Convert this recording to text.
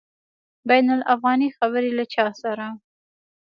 بین الافغاني خبري له چا سره؟